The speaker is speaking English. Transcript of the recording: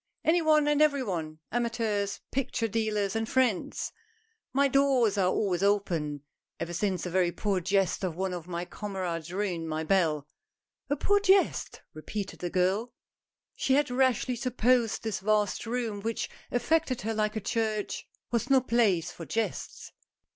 "Any one and every one — amateurs, picture dealers, and friends. My doors are always open ever since a very poor jest of one of my comrades ruined my bell." "A poor jest?" repeated the girl. She had rashly supposed this vast room, which affected her like a church, was no place for jests.